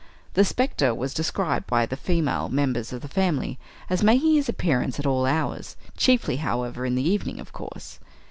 The spectre was described by the female members of the family as making his appearance at all hours, chiefly, however in the evening, of course.